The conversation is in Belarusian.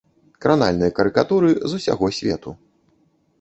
Кранальныя карыкатуры з усяго свету.